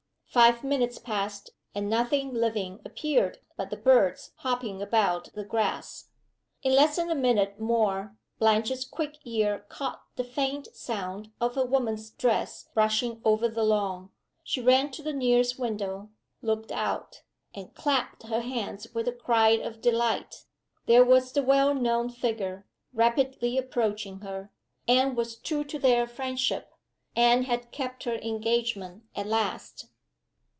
Five minutes passed, and nothing living appeared but the birds hopping about the grass. In less than a minute more Blanche's quick ear caught the faint sound of a woman's dress brushing over the lawn. She ran to the nearest window, looked out, and clapped her hands with a cry of delight. There was the well known figure, rapidly approaching her! Anne was true to their friendship Anne had kept her engagement at last!